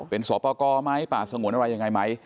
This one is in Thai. เป็นสอปกรไหมป่าสงวนอะไรยังไงไหม